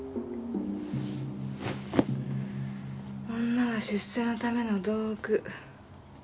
女は出世のための道具。